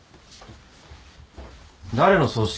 誰の葬式？